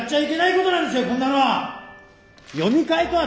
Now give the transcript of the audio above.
こんなのは！